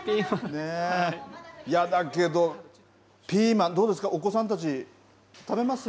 ピーマンどうですかお子さんたち食べます。